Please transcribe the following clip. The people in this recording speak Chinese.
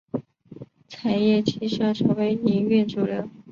柴液机车成为营运主流。